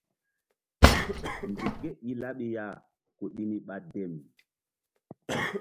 Nzuk ke i laɓi ya ku ɗi ni ɓa dem.